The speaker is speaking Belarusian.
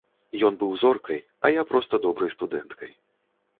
Ён быў зоркай, а я проста добрай студэнткай.